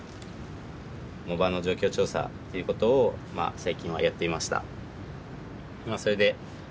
藻場の状況調査っていうことを最近はやっていました。